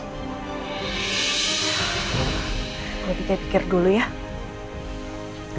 gue tidak pikir dulu ya